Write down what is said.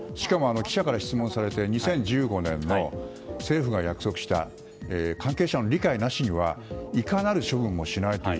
記者から質問されて２０１５年に政府が約束した関係者の理解なしにはいかなる処分もしないという。